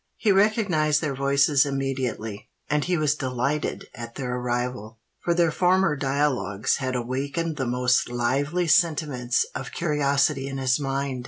He recognised their voices immediately; and he was delighted at their arrival, for their former dialogues had awakened the most lively sentiments of curiosity in his mind.